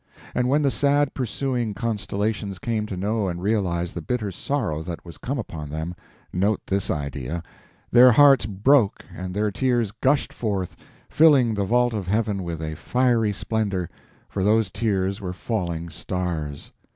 And when the sad pursuing constellations came to know and realize the bitter sorrow that was come upon them—note this idea—their hearts broke and their tears gushed forth, filling the vault of heaven with a fiery splendor, for those tears were falling stars.